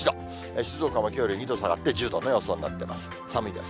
静岡もきょうより２度下がって１０度の予想になってます。